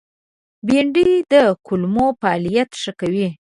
بېنډۍ د کولمو فعالیت ښه کوي